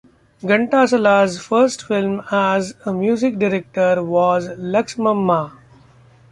Ghantasala's first film as a music director was "Laxmamma".